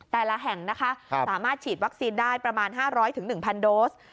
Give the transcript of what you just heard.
แต่ละแห่งนะคะสามารถฉีดวัคซีนได้ประมาณ๕๐๐๑๐๐โดส